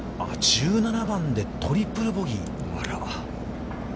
１７番でトリプルボギー。